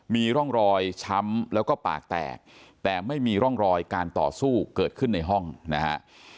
มีร่องรอยช้ำแล้วก็ปากแตกแต่ไม่มีร่องรอยการต่อสู้เกิดขึ้นในห้องนะฮะ